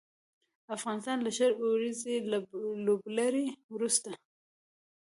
افغانستان له شل اوريزې لوبلړۍ وروسته